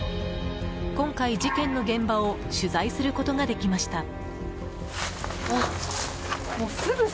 今回、事件の現場を取材することができました。